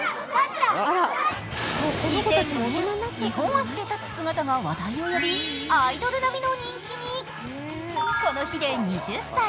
２００５年、二本足で立つ姿が話題を呼び、アイドル並みの人気にこの日で２０歳。